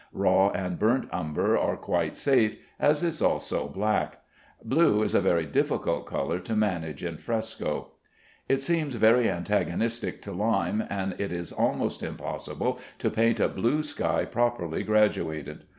Raw and burnt umber are quite safe, as is also black. Blue is a very difficult color to manage in fresco. It seems very antagonistic to lime, and it is almost impossible to paint a blue sky properly graduated.